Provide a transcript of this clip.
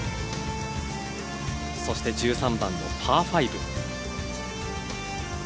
そして１３番のパー５。